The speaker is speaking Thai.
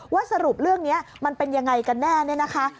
ว่าสรุปเรื่องนี้มันเป็นอย่างไรกันแน่นี่นะคะ